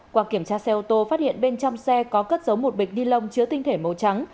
qua kiểm tra xe ô tô phát hiện bên trong xe có cất giấu một bịch ni lông chứa tinh thể màu trắng